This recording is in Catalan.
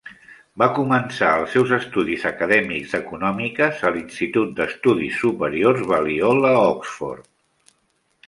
Va començar els seus estudis acadèmics d'econòmiques a l'institut d'estudis superiors Balliol, a Oxford.